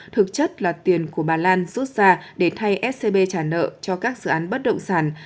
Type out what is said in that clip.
thực chất là tiền của bà lan rút ra để thay scb trả nợ cho các dự án bất động sản